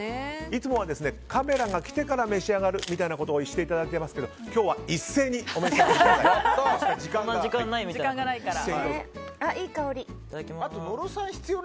いつもはカメラが来てから召し上がるということをしていただいていますが今日は一斉に時間がないから。